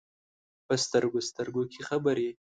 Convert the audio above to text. په سترګو، سترګو کې خبرې ،